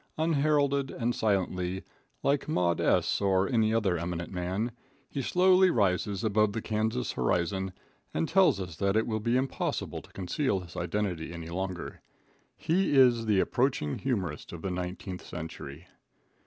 Unheralded and silently, like Maud S. or any other eminent man, he slowly rises above the Kansas horizon, and tells us that it will be impossible to conceal his identity any longer. He is the approaching humorist of the nineteenth century.